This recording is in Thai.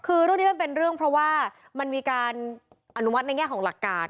คือเรื่องนี้มันเป็นเรื่องเพราะว่ามันมีการอนุมัติในแง่ของหลักการ